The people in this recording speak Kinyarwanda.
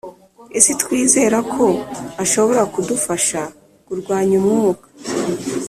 Isi twizera ko ashobora kudufasha kurwanya umwuka